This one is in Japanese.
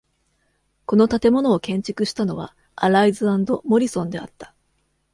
この建物を建築したのはアライズ・アンド・モリソンであった。